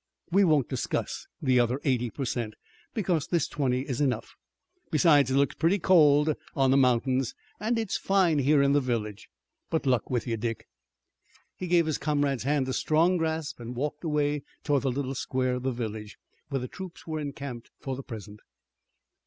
We won't discuss the other eighty per cent, because this twenty is enough. Besides it looks pretty cold on the mountains, and its fine here in the village. But luck with you, Dick." He gave his comrade's hand a strong grasp and walked away toward the little square of the village, where the troops were encamped for the present.